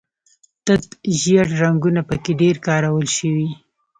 تت ژیړ رنګونه په کې ډېر کارول شوي.